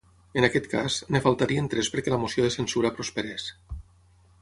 En aquest cas, en faltarien tres perquè la moció de censura prosperés.